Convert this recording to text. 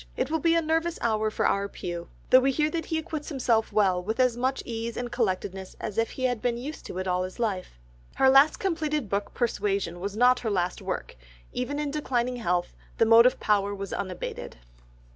"It will be a nervous hour for our pew, though we hear that he acquits himself with as much ease and collectedness as if he had been used to it all his life." Her last completed book Persuasion was not her last work, even in declining strength the motive power was unabated.